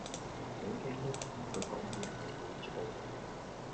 好驚一同佢講野就會燥